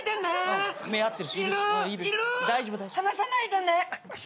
離さないでね。